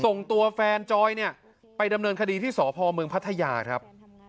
ส่งตัวแฟนจอยเนี่ยไปดำเนินคดีที่สพเมืองพัทยาครับ